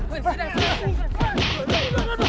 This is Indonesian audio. kenapa jadi begitu